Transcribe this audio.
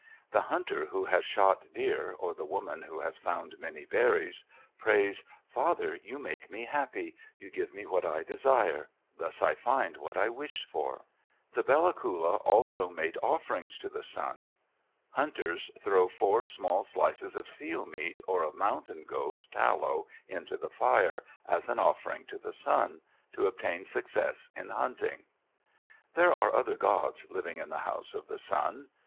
The hunter who has shot deer, or the woman who has found many berries, prays, "Father, you make me happy; you give me what I desire; thus I find what I wished for!" The Bella Coola also make offerings to the Sun. Hunters throw four small slices of seal meat, or of mountain goat tallow, into the fire, as an offering to Sun, to obtain success in hunting. There are other gods living in the House of the Sun.